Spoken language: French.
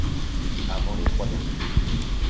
avant les trois derniers